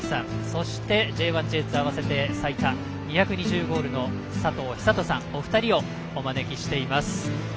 そして、Ｊ１Ｊ２合わせて最多２２０ゴールの佐藤寿人さんのお二人をお招きしています。